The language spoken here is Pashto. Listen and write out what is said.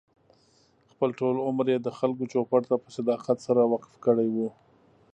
خپل ټول عمر یې د خلکو چوپـړ ته په صداقت سره وقف کړی و.